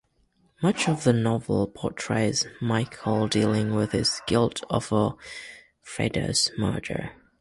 Much of the novel portrays Michael dealing with his guilt over Fredo's murder.